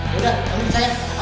yaudah kamu ikut saya